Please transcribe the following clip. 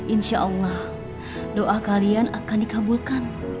insyaallah doa kalian akan dikabulkan